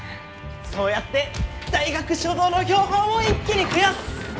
そうやって大学所蔵の標本を一気に増やす！